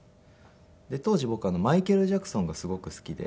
当時僕マイケル・ジャクソンがすごく好きで。